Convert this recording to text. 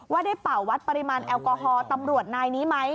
ได้เป่าวัดปริมาณแอลกอฮอล์ตำรวจนายนี้ไหม